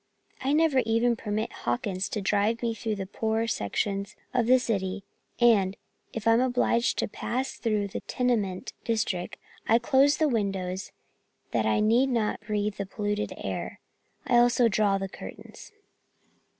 I never even permit Hawkins to drive me through the poorer sections of the city and, if I am obliged to pass through the tenement district, I close the windows that I need not breath the polluted air; and I also draw the curtains."